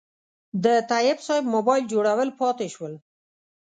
د تایب صیب موبایل جوړول پاتې شول.